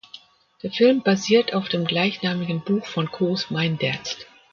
Der Film basiert auf dem gleichnamigen Buch von Koos Meinderts.